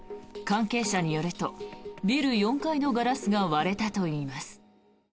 関係者によるとビル４階のガラスが割れたといいます。